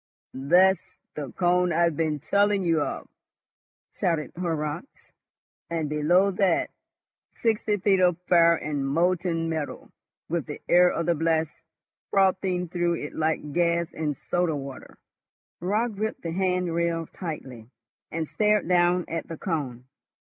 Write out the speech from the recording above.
"That's the cone I've been telling you of," shouted Horrocks; "and, below that, sixty feet of fire and molten metal, with the air of the blast frothing through it like gas in soda water." Raut gripped the hand rail tightly, and stared down at the cone.